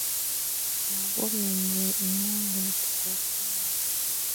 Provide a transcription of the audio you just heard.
Makomenyei inendet kokwani